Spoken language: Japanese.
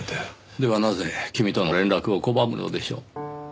ではなぜ君との連絡を拒むのでしょう？